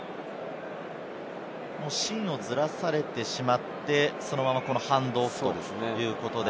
芯をずらされてしまって、そのままハンドオフということで。